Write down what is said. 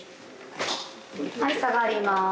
はい下がります。